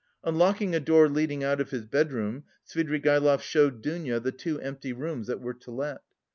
Unlocking a door leading out of his bedroom, Svidrigaïlov showed Dounia the two empty rooms that were to let.